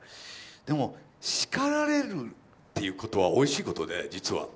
でも叱られるっていうことはおいしいことで実は。